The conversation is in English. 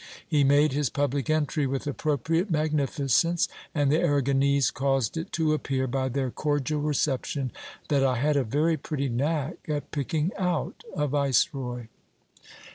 He made his public entry with appropriate magnificence ; and the Arragonese caused it to appear, by their cordial recep tion, that I had a very pretty knack at picking out a viceroy.